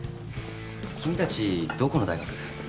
君たちどこの大学？